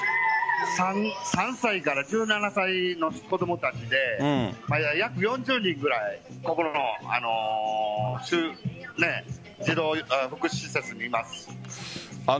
３歳から１７歳の子供たちで約４０人くらいこの児童福祉施設にいます。